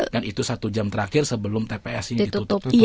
dan itu satu jam terakhir sebelum tps ini ditutup